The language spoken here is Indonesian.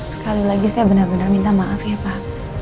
sekali lagi saya benar benar minta maaf ya pak